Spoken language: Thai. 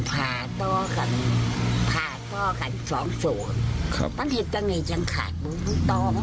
ครับตกไกลเหรอบ้างคุณแม่